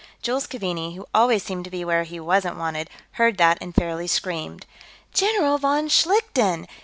Jules Keaveney, who always seemed to be where he wasn't wanted, heard that and fairly screamed. "General von Schlichten!